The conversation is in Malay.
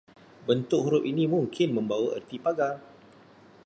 Bentuk huruf ini mungkin membawa erti pagar